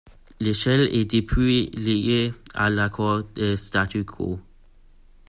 L'échelle est depuis liée à l'accord de Statu quo.